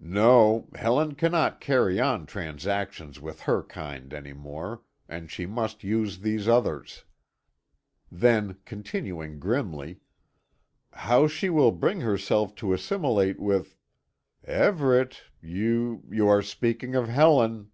"No, Helen cannot carry on transactions with her kind any more, and she must use these others." Then, continuing grimly, "How she will bring herself to assimilate with " "Everet you you are speaking of Helen."